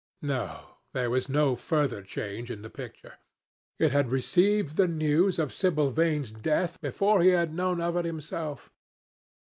No; there was no further change in the picture. It had received the news of Sibyl Vane's death before he had known of it himself.